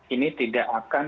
ini tidak akan